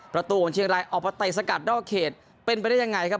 ประตูของเชียงรายออกมาเตะสกัดนอกเขตเป็นไปได้ยังไงครับ